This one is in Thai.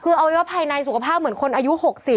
คืออวัยวะภายในสุขภาพเหมือนคนอายุ๖๐